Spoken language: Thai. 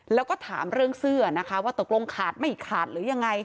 แล้วก็ถามเรื่องเสื้อนะคะว่าตกลงขาดไม่ขาดหรือยังไง